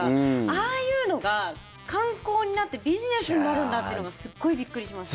ああいうのが観光になってビジネスになるんだというのがすごいびっくりしました。